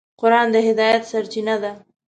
قرآن د هدایت سرچینه ده.